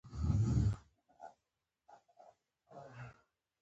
کله تاسو کابل ته راغلې وي؟